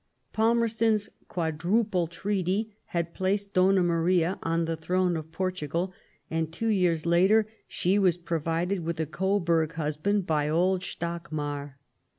Palmerston's Quad ruple Treaty had placed Donna Maria on the throne of Portugal, and two years later she was provided with a Goburg husband by old Stockmar.